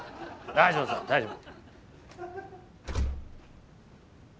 大丈夫そう大丈夫。